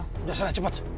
udah senang cepat